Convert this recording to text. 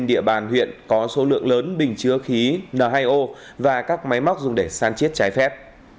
ở địa bàn huyện có số lượng lớn bình chứa khí n hai o và các máy móc dùng để săn chết trái phép